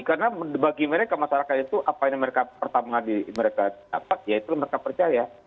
karena bagi mereka masyarakat itu apa yang pertama mereka dapat ya itu mereka percaya